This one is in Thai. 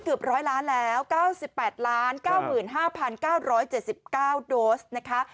เกือบร้อยล้านแล้วเก้าสิบแปดล้านเก้าหมื่นห้าพันเก้าร้อยเจสิบเก้าโดสนะคะ